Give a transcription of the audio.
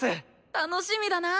楽しみだなぁ！